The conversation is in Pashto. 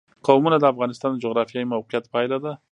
قومونه د افغانستان د جغرافیایي موقیعت پایله ده.